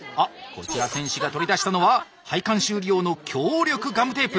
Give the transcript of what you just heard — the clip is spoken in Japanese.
こちら選手が取り出したのは配管修理用の強力ガムテープ！